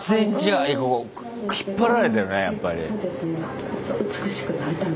引っ張られてるねやっぱり。